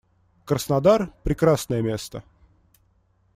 Краснодар - прекрасное место.